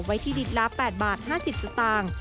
ไว้ที่ลิตรละ๘บาท๕๐สตางค์